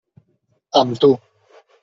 Amb tu.